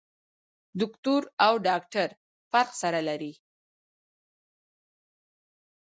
دوکتور او ډاکټر فرق سره لري.